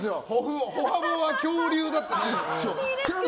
歩幅は恐竜だった。